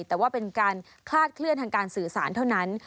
แต่ว่าเป็นการคลาดเคลื่อนทางการสื่อสารเท่านั้น